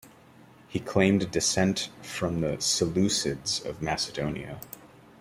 He claimed descent from the Seleucids of Macedonia.